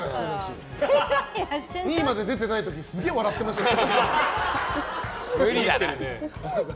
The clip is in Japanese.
２位まで出てない時すげえ笑ってましたよ。